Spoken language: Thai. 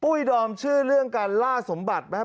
ดอมชื่อเรื่องการล่าสมบัติไหม